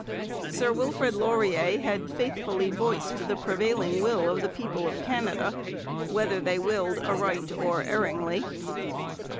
Sir Wilfrid Laurier had faithfully voiced the prevailing will of the people of Canada, whether they willed aright or erringly.